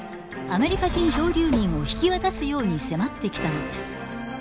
アメリカ人漂流民を引き渡すように迫ってきたのです。